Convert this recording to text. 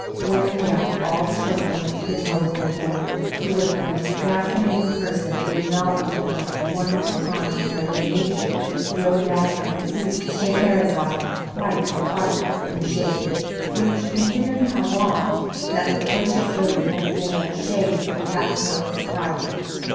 When in doubt, all the children went to the Telephone Boy, who was the most fascinating person, with knowledge of the most wonderful kind and of a nature to throw that of Mrs. Scheherazade quite, quite in the shade which, considering how long that loquacious lady had been a Shade, is perhaps not surprising.